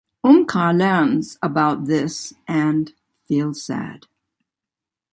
Omkar learns about this and feels sad.